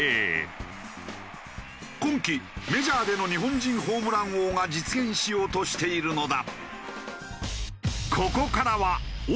メジャーでの日本人ホームラン王が実現しようとしているのだ。